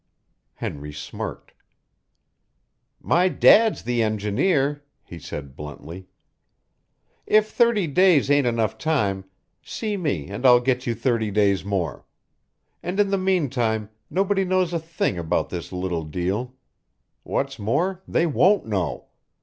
Henry smirked. "My dad's the engineer," he said bluntly. "If thirty days ain't enough time, see me and I'll get you thirty days more. And in the meantime nobody knows a thing about this little deal. What's more, they won't know.